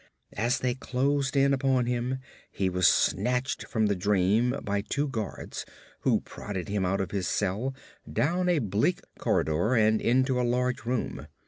As they closed in upon him he was snatched from the dream by two guards who prodded him out of his cell, down a bleak corridor and into a large room.